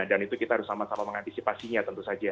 dan itu kita harus sama sama mengantisipasinya tentu saja